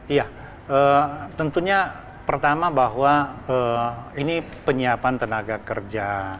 iya tentunya pertama bahwa ini penyiapan tenaga kerja